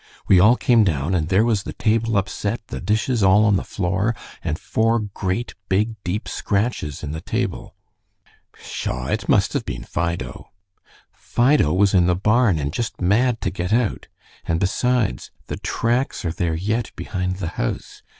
We all came down, and there was the table upset, the dishes all on the floor, and four great, big, deep scratches in the table." "Pshaw! It must have been Fido." "Fido was in the barn, and just mad to get out; and besides, the tracks are there yet behind the house.